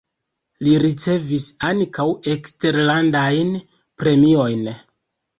Li ricevis ankaŭ eksterlandajn premiojn.